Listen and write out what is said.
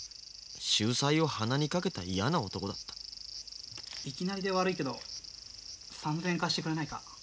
秀才を鼻に掛けた嫌な男だったいきなりで悪いけど３，０００円貸してくれないか。